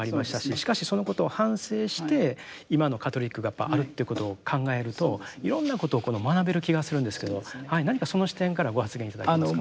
しかしそのことを反省して今のカトリックがあるってことを考えるといろんなことを学べる気がするんですけど何かその視点からご発言頂けますか。